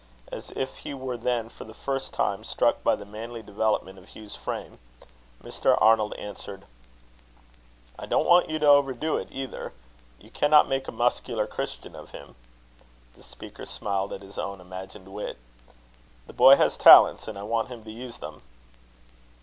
As if he were then for the first time struck by the manly development of Hugh's frame, Mr. Arnold answered: "I don't want you to overdo it, either. You cannot make a muscular Christian of him." (The speaker smiled at his own imagined wit.) "The boy has talents, and I want him to use them."